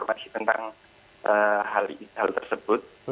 ada informasi tentang hal tersebut